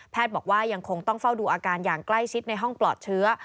บอกว่ายังคงต้องเฝ้าดูอาการอย่างใกล้ชิดในห้องปลอดเชื้อ